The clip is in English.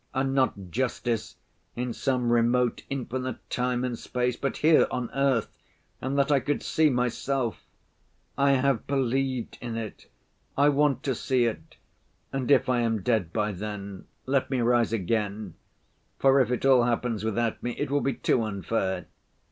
And not justice in some remote infinite time and space, but here on earth, and that I could see myself. I have believed in it. I want to see it, and if I am dead by then, let me rise again, for if it all happens without me, it will be too unfair.